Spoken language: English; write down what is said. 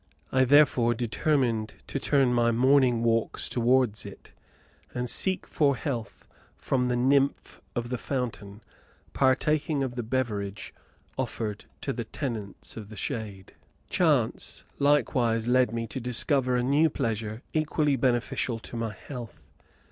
I therefore determined to turn my morning walks towards it, and seek for health from the nymph of the fountain, partaking of the beverage offered to the tenants of the shade. Chance likewise led me to discover a new pleasure equally beneficial to my health.